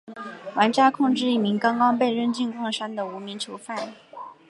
玩家控制一名刚刚被扔进矿山的无名囚犯。